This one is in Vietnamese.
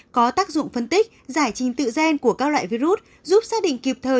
có tác dụng phân tích giải trình tự gen của các loại virus giúp xác định kịp thời